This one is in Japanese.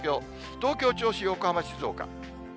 東京、銚子、横浜、静岡。